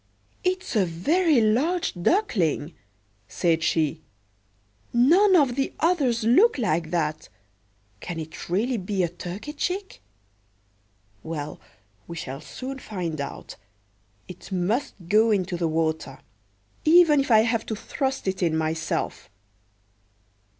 "It's a very large duckling," said she; "none of the others look like that: can it really be a turkey chick? Well, we shall soon find out. It must go into the water, even if I have to thrust it in myself."